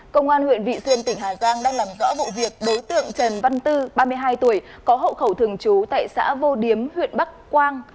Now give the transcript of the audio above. công an huyện vị xuyên tỉnh hà giang đang làm rõ vụ việc đối tượng trần văn tư ba mươi hai tuổi có hậu khẩu thường trú tại xã vô điếm huyện bắc quang